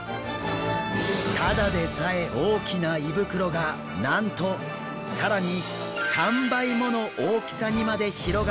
ただでさえ大きな胃袋がなんと更に３倍もの大きさにまで広がるんです。